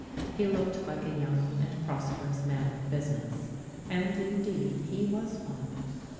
He looked like a young and prosperous man of business, and indeed he was one.